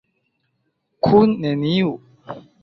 Kun neniu.